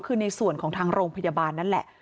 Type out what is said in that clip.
คือในส่วนของทางโรงพยาบาลนั่นแหละ